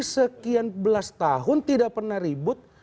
sekian belas tahun tidak pernah ribut